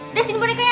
udah sini bonekanya